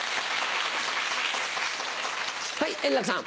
はい円楽さん。